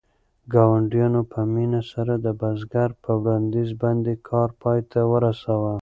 ګاونډیانو په مینه سره د بزګر په وړاندیز باندې کار پای ته ورساوه.